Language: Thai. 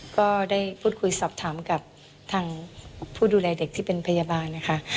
ก็ได้พูดคุยสอบถามกับทางผู้ดูแลเด็กที่เป็นพยาบาลนะคะ